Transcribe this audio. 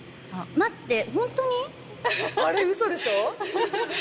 あれウソでしょ？